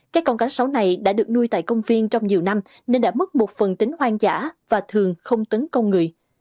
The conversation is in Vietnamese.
các con cá sấu này đã được nuôi tại công viên trong nhiều năm nên đã mất một phần tính hoang dã và thường không tấn công người